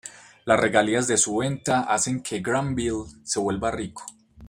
Las regalías de su venta hacen que Granville se vuelva rico.